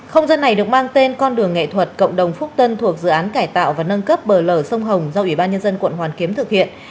không gian này được mang tên con đường nghệ thuật cộng đồng phúc tân thuộc dự án cải tạo và nâng cấp bờ lở sông hồng do ủy ban nhân dân quận hoàn kiếm thực hiện